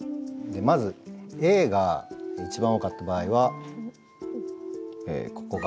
まずＡが１番多かった場合はここが。